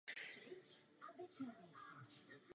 Ne všechny členské státy dodržují požadavky směrnice.